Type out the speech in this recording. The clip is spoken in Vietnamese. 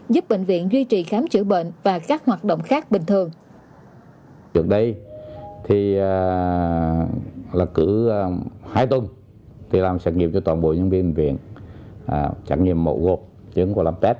giúp bệnh viện duy trì khám chữa bệnh và các hoạt động khác bình thường